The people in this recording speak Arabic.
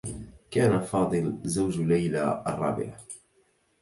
كان فاضل زوج ليلى الرّابع.